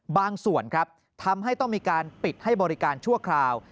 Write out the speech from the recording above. บางส่วนครับทำให้ต้องมีการปิดให้บริการชั่วคราว